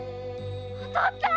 お父っつぁん！